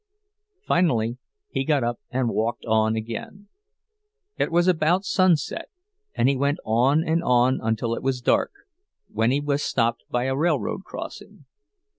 _" Finally, he got up and walked on again. It was about sunset, and he went on and on until it was dark, when he was stopped by a railroad crossing.